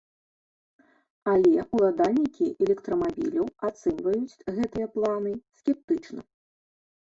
Але ўладальнікі электрамабіляў ацэньваюць гэтыя планы скептычна.